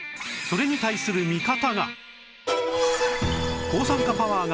それに対する強い味方！